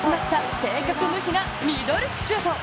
正確無比なミドルシュート。